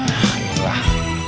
ah ya lah